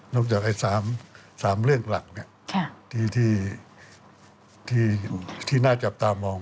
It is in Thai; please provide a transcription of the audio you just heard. จาก๓เรื่องหลักที่น่าจับตามอง